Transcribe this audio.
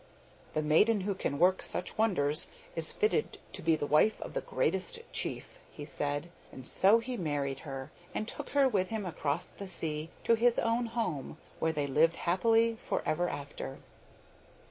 'The maiden who can work such wonders is fitted to be the wife of the greatest chief,' he said, and so he married her, and took her with him across the sea to his own home, where they lived happily for ever after.